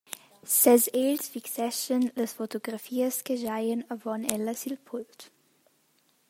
Ses egls fixeschan las fotografias che schaian avon ella sil pult.